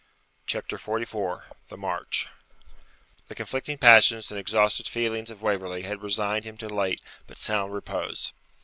CHAPTER XLIV THE MARCH The conflicting passions and exhausted feelings of Waverley had resigned him to late but sound repose.